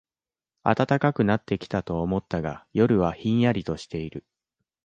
暖かくなってきたと思ったが、夜はひんやりとしている